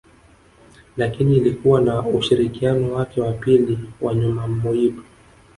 Lakini ilikuwa na ushirikiano wake wa pili na Nyoma Moyib